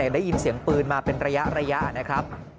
ได้ยินเสียงปืนมาเป็นระยะนะครับ